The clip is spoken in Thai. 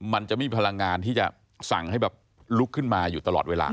มันจะไม่มีพลังงานที่จะสั่งให้แบบลุกขึ้นมาอยู่ตลอดเวลา